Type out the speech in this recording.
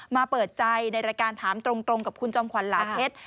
เปิดใจในรายการถามตรงกับคุณจอมขวัญเหลาเพชร